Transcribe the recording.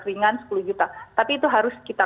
ringan sepuluh juta tapi itu harus kita